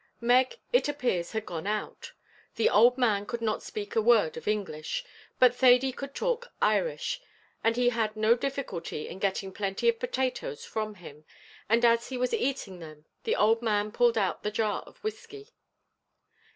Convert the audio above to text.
Meg it appears had gone out. The old man could not speak a word of English; but Thady could talk Irish, and he had no difficulty in getting plenty of potatoes from him, and as he was eating them the old man pulled out the jar of whiskey.